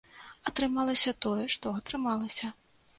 Атрымалася тое, што атрымалася.